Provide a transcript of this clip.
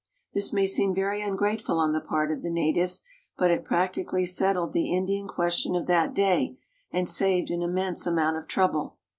This may seem very ungrateful on the part of the natives, but it practically settled the Indian question of that day and saved an immense amount of trouble.